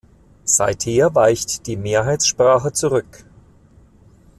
Seither weicht die Mehrheitssprache zurück.